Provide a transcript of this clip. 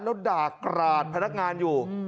แล้วด่ากราดพนักงานอยู่